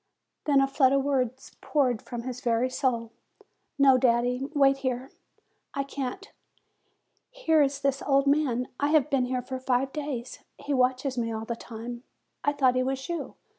Then a flood of words poured from his very soul. "No, daddy; wait here. I can't. Here is this old man. I have been here for five days. He watches me all the time. I thought he was you.